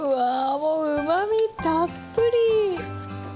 もううまみたっぷり。